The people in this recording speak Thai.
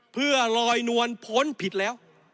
เพื่อลอยนวลพ้นผิดแล้ว